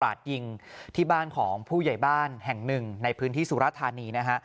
ดยิงที่บ้านของผู้ใหญ่บ้านแห่งหนึ่งในพื้นที่สุรธานีนะฮะ